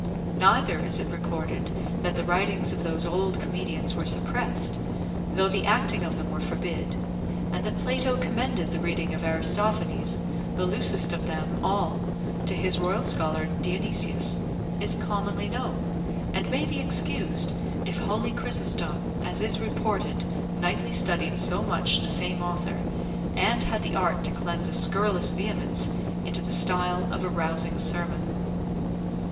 Neither is it recorded that the writings of those old comedians were suppressed, though the acting of them were forbid; and that Plato commended the reading of Aristophanes, the loosest of them all, to his royal scholar Dionysius, is commonly known, and may be excused, if holy Chrysostom, as is reported, nightly studied so much the same author and had the art to cleanse a scurrilous vehemence into the style of a rousing sermon.